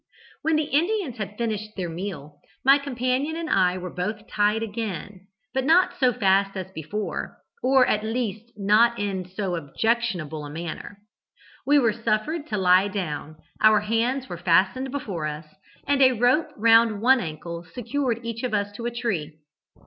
"When the Indians had finished their meal, my companion and I were both tied again, but not so fast as before, or at least not in so objectionable a manner. We were suffered to lie down, our hands were fastened before us, and a rope round one ankle secured each of us to a tree.